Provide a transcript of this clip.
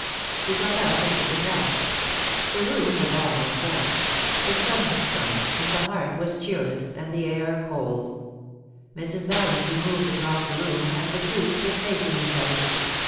He got up and took his hat The room was almost dark ; the sun had sunk, and the hearth was cheerless, and the air cold. Mrs. Valiancy moved across the room, and the two stood facing each other.